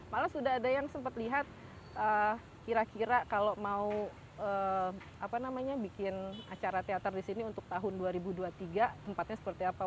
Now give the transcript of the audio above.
malah sudah ada yang sempat lihat kira kira kalau mau bikin acara teater di sini untuk tahun dua ribu dua puluh tiga tempatnya seperti apa